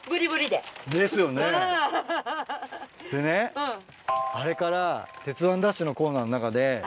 でねあれから『鉄腕！ＤＡＳＨ‼』のコーナーの中で。